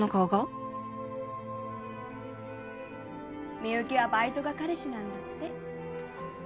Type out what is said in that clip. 深雪はバイトが彼氏なんだって。え！